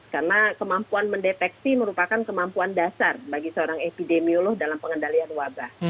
karena kemampuan mendeteksi merupakan kemampuan dasar bagi seorang epidemiolog dalam pengendalian wabah